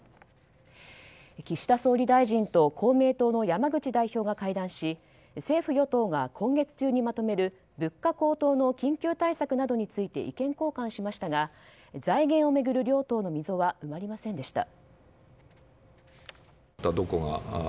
岸田総理大臣と公明党の山口代表が会談し政府・与党が今月中にまとめる物価高騰の緊急対策について意見交換しましたが財源を巡る両党の溝は埋まりませんでした。